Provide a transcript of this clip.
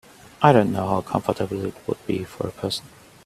I don’t know how comfortable it would be for a person.